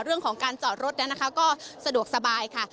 เรื่องของการจอดรถนั้นนะคะก็สะดวกสบายค่ะ